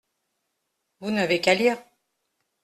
Vous n’avez qu’à lire.